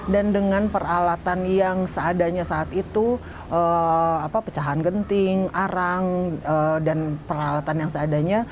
dan dengan peralatan yang seadanya saat itu pecahan genting arang dan peralatan yang seadanya